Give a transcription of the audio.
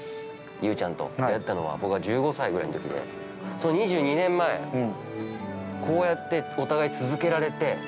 雄ちゃんと出会ったのは僕は１５歳ぐらいのときで２２年前、こうやってお互い続けられて。